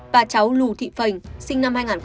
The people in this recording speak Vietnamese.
bà cháu lù thị phành sinh năm hai nghìn một mươi bảy